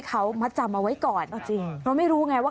คือแม่ค้าคนนึงเหมือนกับว่า